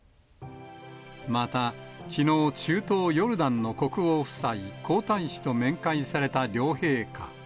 また、きのう、中東ヨルダンの国王夫妻、皇太子と面会された両陛下。